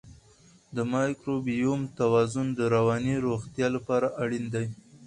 د مایکروبیوم توازن د رواني روغتیا لپاره اړین دی.